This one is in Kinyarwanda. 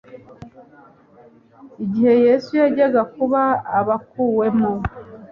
Igihe Yesu yajyaga kuba abakuwemo,